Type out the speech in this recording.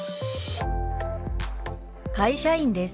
「会社員です」。